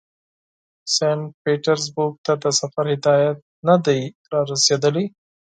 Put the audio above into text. سینټ پیټرزبورګ ته د سفر هدایت نه دی را رسېدلی.